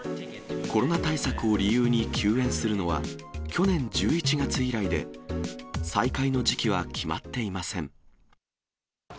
コロナ対策を理由に休園するのは、去年１１月以来で、再開の時期は決まっていません。